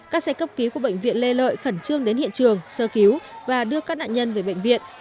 các xe cấp cứu của bệnh viện lê lợi khẩn trương đến hiện trường sơ cứu và đưa các nạn nhân về bệnh viện